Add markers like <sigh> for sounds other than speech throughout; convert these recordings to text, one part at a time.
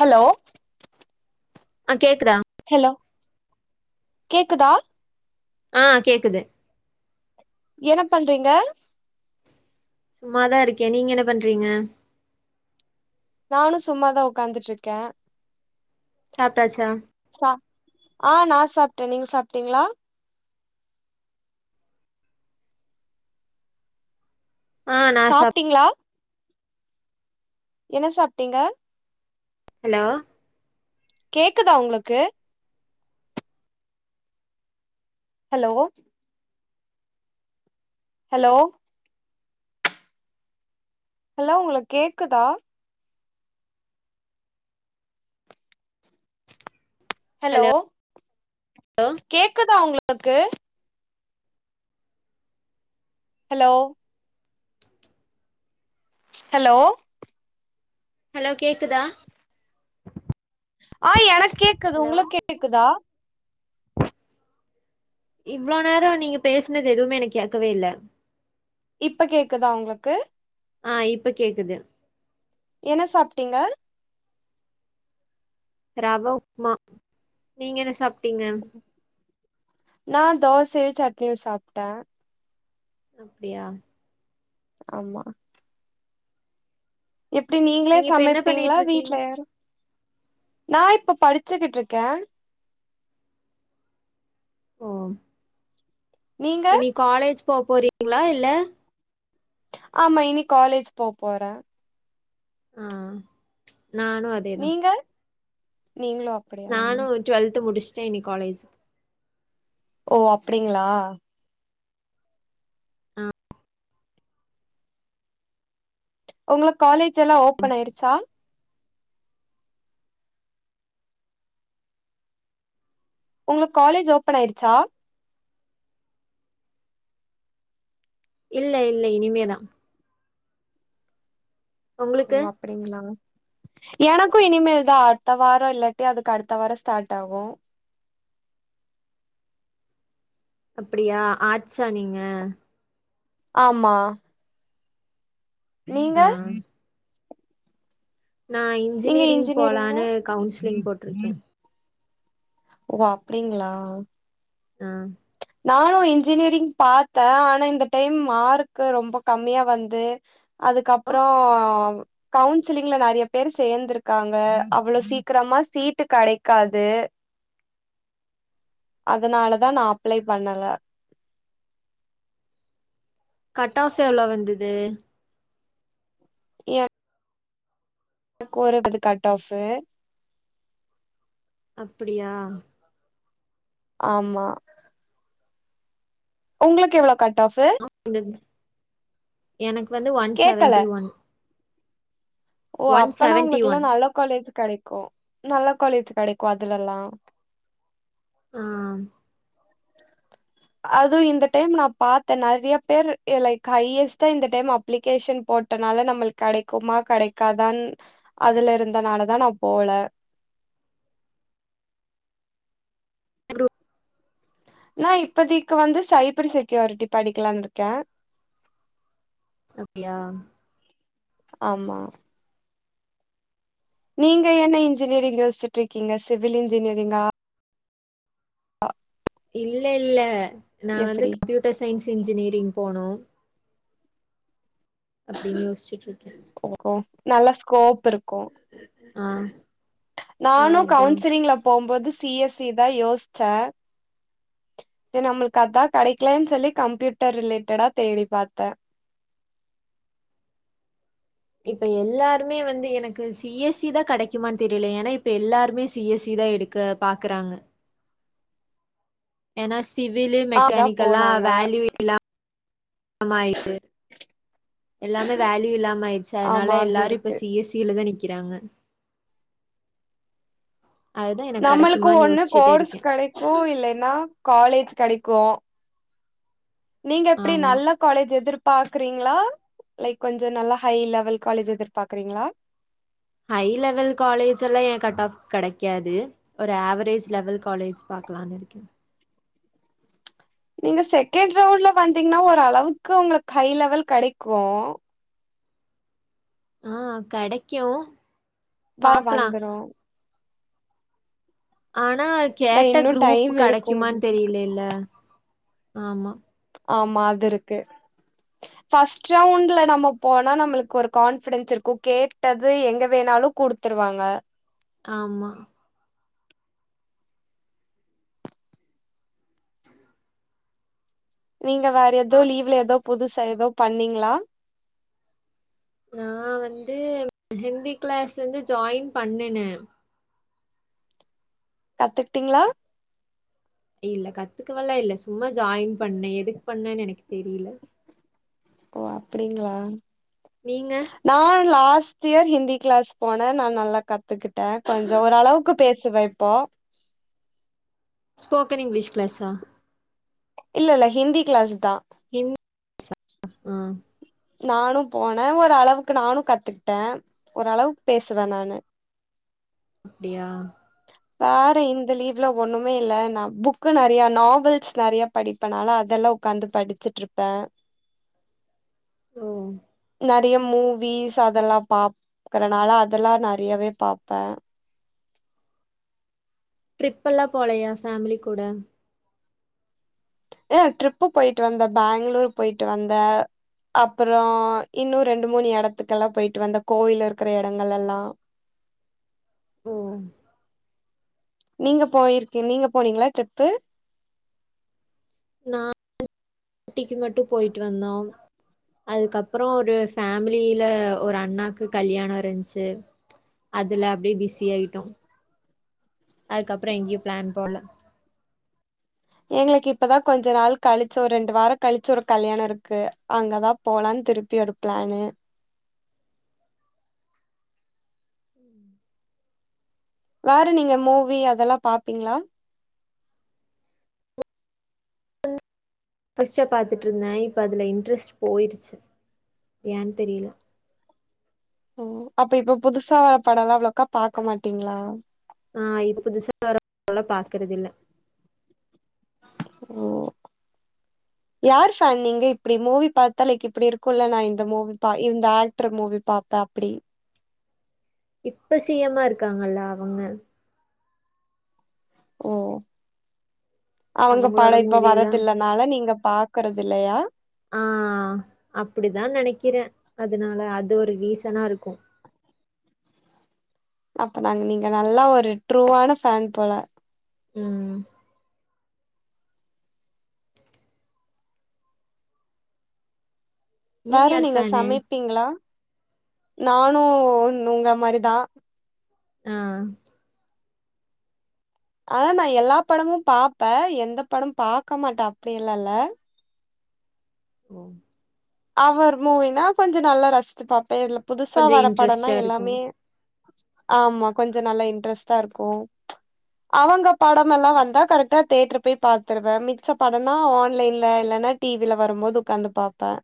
Hello ஆ கேக்குதா hello கேக்குதா ஆஹ் கேக்குது என பண்றீங்க சும்மாதா இருக்கே நீங்க என்ன பண்றீங்க நானு சும்மாதா ஒக்காந்துட்ருக்கே சாப்ட்டாச்சா ஹ நா சாப் நீங்க சாப்டீங்களா ஆ நா சாப் சாப்டீங்ளா என்ன சாப்டீங்க ஹலோ கேக்குதா உங்ளுக்கு ஹலோ ஹலோ ஹலோ உங்ளுக்கேக்குதா ஹலோ கேக்குதா உங்ளு <unintelligible> ஹலோ ஹலோ ஹலோ கேக்குதா ஆஹ் எனக்கேக்குது ஹலோ உங்ளுக்கேக்குதா இவ்ளோ நேர நீங்க பேசுனது எதுவுமே எனக் கேக்கவே இல்ல இப்ப கேக்குதா உங்களுக்கு ஆஹ் இப்ப கேக்குது என்ன சாப்டீங்க ரவ உப்மா நீங்க என சாப் ட்டீங்க நா தோசையு சட்னியு சாப்ட அப்டியா ஆமா எப்டி நீங்களே நீங்க இப்ப என்ன பண்ணிட்டு சமைப்பீங்ளா இருக்கீங்க வீட்ல யாரு நா இப்ப படிச்சுகிட்ருக்கே ஓம் நீங்க இனி காலேஜ் போ போறீங்களா இல்ல ஆமா இனி காலேஜ் போ போற ஆஹ் நானும் அதேதான் நீங்க நீங்களும் அப்படியா நானும் டுவெல்த் முடிச்சே சைனி காலேஜ் ஓ அப்டிங்களா உங்க காலேஜ் எல்லாம் ஓபன் ஆயிருச்சா உங்க காலேஜ் ஓபன் ஆய்டுச்சா இல்ல இல்ல இனிமேதான் ஓ உங்களுக்கு அப்படிங்களா எனக்கும் இனிமேல்தான் அடுத்த வாரம் இல்லாட்டி அதுக்கு அடுத்த வாரம் ஸ்டார்ட் ஆகும் அப்படியா ஆட்ச்ஸா நீங்க ஆமா நீங்க ஆ நான் நீங்க இன்ஜினியரிங் இன்ஜினியரிங்க போலான்னு கவுன்சிலிங் போட்டுருக்கேன் ஓ அப்டிங்களா ஆஹ் நானும் இன்ஜினியரிங் பாத்தேன் ஆனா இந்த டைம் மார்க் ரொம்ப கம்மியா வந்து ஓ அதுக்கப்புறம் கவுன்சிலிங்ல நெறைய பேர் சேர்ந்திருக்காங்க அவ்வளோ சீக்கிரமா சீட்டு கெடைக்காது அதனாலதான் நான் அப்ளை பண்ணல கட்டாச எவ்வளவு வந்தது ஏ என கோறு அது கட் ஆஃபு அப்படியா ஆமா உங்களுக்கு எவ்வளோ கட் ஆஃப் இந்த எனக்கு வந்து ஒன் கேக்கல செவன்டி ஒன் ஓ ஒன் அப்பனா செவன்டி ஒன் உங்களுக்கெல்லாம் நல்ல காலேஜ் கெடைக்கும் நல்ல காலேஜ் கடைக்கும் அதுலல்லாம் ஆஹ் அதுவும் இந்த டைம் நான் பாத்தேன் நிறைய பேரு லைக் ஹையஸ்டா இந்த டைம் அப்ளிகேஷன் போட்டனால நம்மளுக்கு கிடைக்குமா கிடைக்காதான் அதுல இருந்தனாலதான் நான் போல நான் இப்பதைக்கு வந்து சைபர் செக்யூரிட்டி படிக்கலாம்னு இருக்கேன் அப்டியா ஆமா நீங்க என்ன இன்ஜினியரிங் யோசிச்சட்டு இருக்கீங்க சிவில் இன்ஜினியரிங்கா ஆ இல்ல இல்ல நான் வந்து கம்ப்யூட்டர் சயின்ஸ் இன்ஜினியரி போனும் அப்படின்னு யோசிச்சிட்டு இருக் ஓ நல்ல ஸ்கோப் ட்ருக்கு ஆ ஆ நானு அதா கவுன்சிலிங்ல போம்போது சி எஸ் சி தா யோசிச்சே சரி நம்மளுக்கு அதா கெடைக்கலன்னு சொல்லி கம்ப்யூட்டர் ரிலேட்டடா தேடி பாத்தே இப்ப எல்லாருமே வந்து எனக்கு சி எஸ் சி தா கெடைக்குமான்னு தெரியல ஏன்னா இப்ப எல்லாருமே சி எஸ் சி தா எடுக்க பாக்கறாங்க ஏன்னா ஸ் சிவிலு இதா மெக்கானிக்கல்லா போனாங்க வேல்யூ இல்லா ஆமா ஐசு எல்லாமே வேல்யூ இல்லா ம ஆயிடுச்சு ஆமா அதனால அது எல்லாரு இப்ப இருக்கு சி எஸ் சி லதா நிக் கிறாங்க நம்மளுக்கு ஒண்ணு கோர்ஸ் இருக்கே கெடைக்கு இல்லைன்னா காலேஜ் கெடைக்கு நீங்க எப்டி ஆமா நல்ல காலேஜ் எதிர் பாக்குறீங்களா லைக் கொஞ்ச நல்லா ஹை லெவல் காலேஜ் எதிர்பாக்குறீங்களா ஹை லெவல் காலேஜ் எல்லா என் கட் ஆஃப்க்கு கெடைக்காது ஒரு ஆவரேஜ் லெவல் காலேஜ் பாக்கலான்னு இருக்கே நீங்க செகண்ட் ரவுண்ட்ல வந்தீங்ன்னா ஒரு அளவுக்கு உங்களுக்கு ஹை லெவல் கெடைக்கு ஆஹ் கெடைக்கு வா பாக்கலா வந்துரு ஆ னா கேட்ட இன்னு குரூப் டைம் இருக்கு கெடைக்குமானு உங்களுக்கு தெரியல இல்ல ஆமா ஆமா அது இருக்கு ஃபஸ்ட் ரவுண்ட்ல நம்ம போனா நம்மளுக்கு ஒரு கான்பிஃடன்ஸ் இருக்கு கேட்டது எங்க வேணாலு குடுத்துருவாங்க ஆமா நீங்க வேற ஏதோ பாக் லீவ்ல ஏதோ புது சா ஏதோ பண்ணீங்களா நா வந்து ஹிந்தி கிளாஸ் வந்து ஜாயின் பண்ணுனே கத்துக்கிட்டீங்களா இல்ல கத்துக்கவல்லா இல்ல சும்மா ஜாயின் பண்ணே எதுக்கு பண்ணேன்னு எனக்கு தெரியல ஓ அப்படிங்களா நீங்க நா last year Hindi class போனே நா நல்லா கத் துக்கிட்டேன் கொஞ்ச ஓரளவுக்கு பேச சுவே இப்போ ஸ்போக்கன் இங்கிலீஷ் கிளாஸா இல்ல இல்ல ஹிந்தி கிளாஸ்தா ஆஹ் நானும் போனே ஓரளவுக்கு நானு கத்துக்கிட்டே ஓரளவுக்கு பேசுவே நானு அப்டியா வேற இந்த லீவ்ல ஒண்ணுமே இல்ல நான் புக்கு நெறைய நாவல்ஸ் நெறைய படிப்பேனால அதெல்லா உக்காந்து படிச்சுட்ருப்பே ஓ நெறைய மூவிஸ் அதெல்லாம் பாக்கறனால அதெல்லாம் நெறையாவே பாப்பேன் ட்ரிப்பெல்லாம் போலயா ஃபேமிலி கூட ஆ ட்ரிப்பு போயிட்டு வந்த பேங்களூர் போயிட்டு வந்த அப்பறம் இன்னும் ரெண்டு மூணு இடத்துக்கெ எல்லாம் போயிட்டு வந்த கோவில் இருக்கிற இடங்கள் எல்லாம் ஓ நீங்க போயிருக்கு நீங்க போனீங்களா ட்ரிப்பு நான ஊட்டிக்கு மட்டும் போயிட்டு வந்தோம் அதுக்கப்பறம் ஒரு ஃபேமிலில ஒரு அண்ணாக்கு கல்யாணம் இருந்துச்சு அதுல அப்டியே பிஸி ஆயிட்டோம் அதுக்கப்பறம் எங்கேயோயும் பிளான் போல எங்களுக்கு இப்தான் கொஞ்ச நாள் கழிச்சு ஒரு ரெண்டு வாரம் கழிச்சு ஒரு கல்யாணம் இருக்கு அங்கதான் போலாம்னு திருப்பி ஒரு பிளானு வேற நீங்க மூவி அதெல்லாம் பாப்பீங்களா பர்ஸ்டா பாத்துட்டு இருந்தேன் இப்ப அதுல இன்ட்ரெஸ்ட் போயிருச்சு ஏன்னு தெரியல ஓ அப்ப இப்ப புதுசா வர படம் எல்லாம் அவ்வளோக்கா பாக்க மாட்டீங்களா ஆஹ் இ புதுசாக வர பாக்கறதில ஓ யார் ஃபேன் நீங்க இப்டி மூவி பாத்தளைக்கு இப்டி இருக்கும்ல நான இந்த மூவி பா இந்த ஆக்டர் மூவி பாப்பேன் அப்டி இப்ப சி எம் மா இருக்காங்கல்ல அவங்க ஓ அவங்க அவங்களோட படம் இப்ப மூவி எல்லா வரதில்லனால நீங்க பாக்குறது இல்லயா ஆ அப்டிதா நெனைக்கிறே அதனால அது ஒரு ரீசனா இருக்கும் அப்ப நாங்க நீங்க நல்லா ஒரு ட்ரூவான ஃபேன் போல ம் வேற யார் நீங்க ஃபேனு? சமைப்பீங்களா நானும் உங்க மாரிதான் ஆஹ் ஆனா நான் எல்லா படமும் பாப்பேன் எந்த படம் பாக்க மாட்டேன் அப்டிலாம் இல்ல ஓ அவர் மூவினா கொஞ்சம் நல்லா ரசிச்சு பாப்பேன் இல புதுசா கொஞ்சோ வர படம்னா இன்ட்ரெஸ்ட்டா எல்லாமே இருக்கும். ஆமா கொஞ்சம் நல்லா இன்ட்ரெஸ்ட்டா இருக்கும் அவங்க படமெல்லாம் வந்தா கரெக்டா தியேட்டர் போய் பாத்துருவேன் மிச்ச படம்னா ஆன்லைன்ல இல்லன்னா டிவில வரும்போது உட்காந்து பாப்பேன்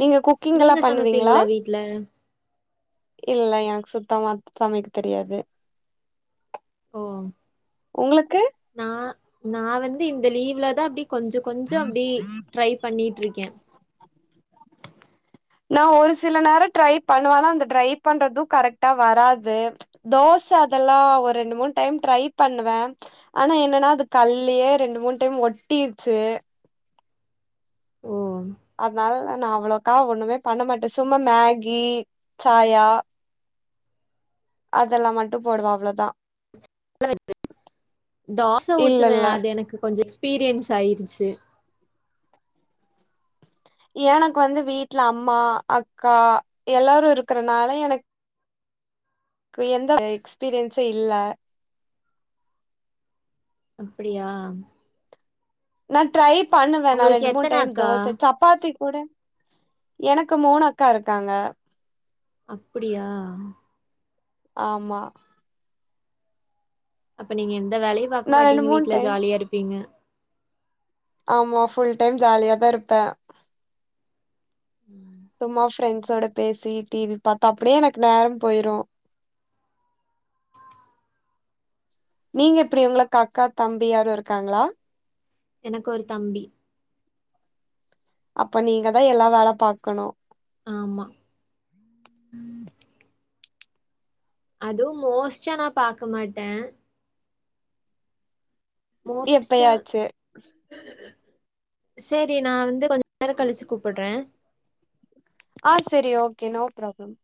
நீங்க குக்கிங் நீங்க எல்லாம் பண்ணுவீங்களா சமைப்பீங்களா வீட்ல? இல்ல எனக்கு சுத்தமா சமைக்க தெரியாது ஓ உங்களுக்கு நான வந்து இந்த லீவ்ல தான் அப்டி கொஞ்சம் கொஞ்சம் அப்டி ட்ரை பண்ணிட்டு இருக் க்கன் நான ஒரு சில நேரம் ட்ரை பண்ணுவேன் ஆன அந்த ட்ரை பண்றதும் கரெக்டா வராது தோச அதெல்லாம் ஒரு ரெண்டு மூணு டைம் ட்ரை பண்ணுவேன் ஆனா என்னன்னா அது கல்லயே ரெண்டு மூணு டைம் ஒட்டிருச்சு ஓ அதனால நான அவ்வளவுக்கா ஒண்ணுமே பண்ண மாட்டேன் சும்மா மேகி சாயா அதெல்லாம் மட்டும் போடுவா அவ்ளவுதான் தோச இல்லல்ல. ஊத்துவேன் அது எனக்கு கொஞ்சம் எ எக்ஸ்பீரியன்ஸ் ஆயிடுச்சு எனக்கு வந்து வீட்டுல அம்மா அக்கா எல்லாரும் இருக்கறனால எனக்கு எந்த எக்ஸ்பீரியன்ஸ்ம் இல்ல அப்டியா நான ட்ரை பண்ண வேணாம் உங்களுக்கு ரெண்டு மூணு எத்தன டைம் அக்கா? தோச சப்பாத்தி கூட எனக்கு மூணு அக்கா இருக்காங்க அப்டியா ஆமா அப்ப நீங்க எந்த வேலையு நா ரெண்டு பாக்கமாட்டீங்க மூணு வீட்ல டைம் ஜாலியா இருப்பீங்க ஆமா ஃபுல் டைம் ஜாலியாதா இருப்பே உம் சும்மா ஃப்ரெண்ட்ஸோட பேசி டி வி பாத்தா அப்டியே எனக்கு நேர போயிரு நீங்க எப்டி உங்களுக்கு அக்கா தம்பி யாரு இருக்காங்களா எனக்கு ஒரு தம்பி அப்ப நீங்கதா எல்லா வேல பாக்கணு ஆமா அதுவும் மோஷ்சா நான் பாக்க மாட்ட எப்பயாச்சு செரி நா வந்து கொஞ்ச நேர கலிச்சி கூப்பட்ற்ற ஆஹ் செரி ஓகே நோ பராப்ளம்